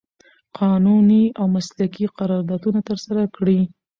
قانوني او مسلکي قراردادونه ترسره کړي